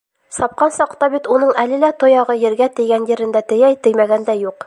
Сапҡан саҡта бит уның әле лә тояғы ергә тейгән ерендә тейә, теймәгәндә - юҡ!